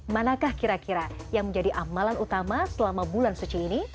manakah kira kira yang menjadi amalan utama selama bulan suci ini